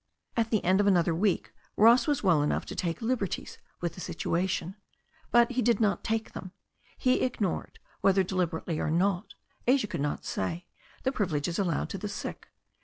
At the end of another week Ross was well enough to take liberties with the situation. But he did not take them. He ignored, whether deliberately or not, Asia could not say, the privileges allowed to the sick.